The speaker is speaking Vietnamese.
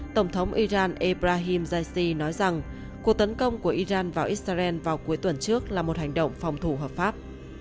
tổng thống iran ebrahim raisi nói rằng cuộc tấn công của iran vào israel vào cuối tuần trước là một hành động phòng thủ hợp pháp